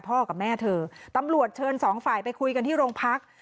กับแม่เธอตำรวจเชิญสองฝ่ายไปคุยกันที่โรงพัก